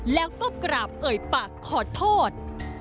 แล้วก็กราบเอ่ยปากขอโทษ